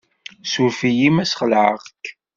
Suref-iyi ma ssxelεeɣ-k.